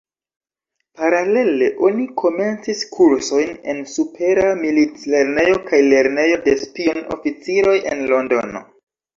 Paralele oni komencis kursojn en Supera Milit-Lernejo kaj Lernejo de Spion-Oficiroj en Londono.